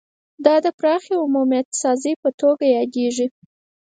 دا د پراخې عمومیت سازۍ په توګه یادیږي